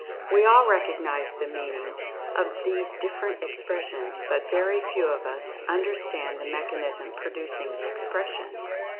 We all recognize the meaning of these different expres sions, but very few of us understand the mechanism producing the expression.